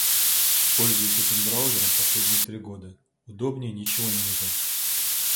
Пользуюсь этим браузером последние три года, удобнее ничего не видел.